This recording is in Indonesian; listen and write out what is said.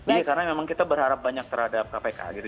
ini karena memang kita berharap banyak terhadap kpk gitu